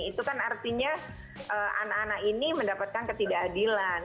itu kan artinya anak anak ini mendapatkan ketidakadilan